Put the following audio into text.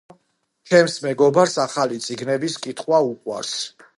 ჩემს მეგობარს ახალი წიგნების კითხვა უყვარს.